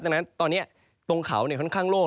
ดังนั้นตอนนี้ตรงเขาค่อนข้างโล่ง